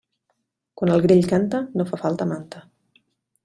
Quan el grill canta, no fa falta manta.